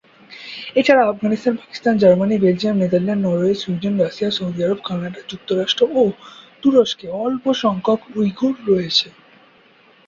এছাড়া Afghanistan, Pakistan, Germany, Belgium, Netherland, Norway, Sweden, Russia, Saudi Arab, Canada, যুক্তরাষ্ট্র ও তুরস্কে অল্পসংখ্যক উইঘুর রয়েছে।